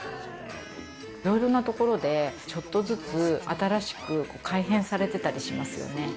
いろいろな所で、ちょっとずつ新しく改変されてたりしますよね。